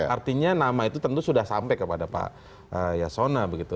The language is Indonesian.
artinya nama itu tentu sudah sampai kepada pak yasona begitu